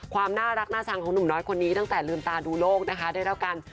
ความน่ารักน่าชังของหนุ่มน้อยคนนี้ตั้งแต่ลืมตาดูโลกนะคะได้รับการ